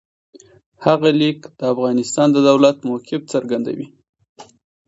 هغه لیک د افغانستان د دولت موقف څرګندوي.